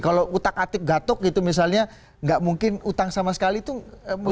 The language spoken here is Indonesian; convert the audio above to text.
kalau utak atik gatok gitu misalnya nggak mungkin utang sama sekali itu